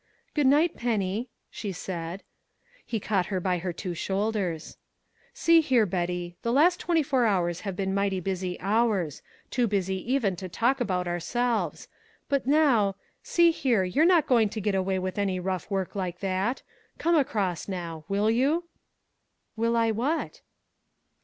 "Good night, Penny," she said. He caught her by her two shoulders. "See here, Betty the last twenty four hours have been mighty busy hours too busy even to talk about ourselves. But now see here, you're not going to get away with any rough work like that. Come across, now. Will you?" "Will I what?"